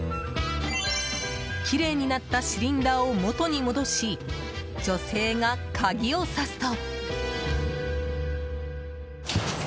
きれいになったシリンダーを元に戻し、女性が鍵をさすと。